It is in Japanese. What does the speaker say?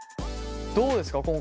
どうですか？